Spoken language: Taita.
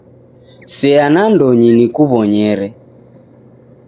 Seya nandonyi nkuw'onyere.